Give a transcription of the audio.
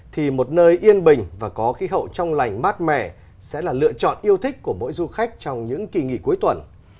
thì một nơi yên bình và có khí hậu trong lành mát mẻ sẽ là lựa chọn yêu thích của mỗi du khách trong những kỳ nghỉ cuối tuần